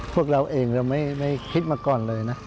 พวกเราเองเราไม่คิดมาก่อนเลยนะ